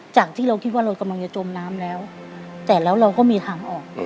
จากที่เราคิดว่าเรากำลังจะจมน้ำแล้วแต่แล้วเราก็มีทางออก